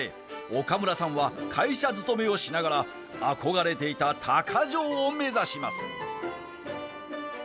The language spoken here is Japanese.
岡村さんは会社勤めをしながらあこがれていたたか匠を目指します。